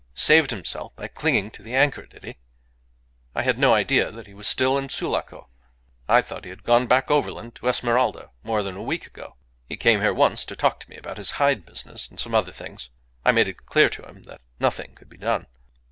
Saved himself by clinging to the anchor, did he? I had no idea that he was still in Sulaco. I thought he had gone back overland to Esmeralda more than a week ago. He came here once to talk to me about his hide business and some other things. I made it clear to him that nothing could be done."